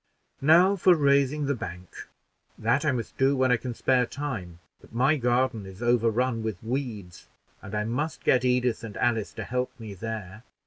Now for raising the bank; that I must do when I can spare time; but my garden is overrun with weeds, and I must get Edith and Alice to help me there."